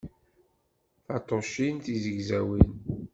Taṭṭucin tizegzawin.